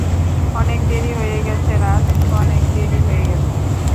অনেক দেরী হয়ে গেছে রাজ, অনেক দেরি হয়ে গেছে।